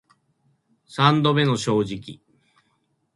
三度目の正直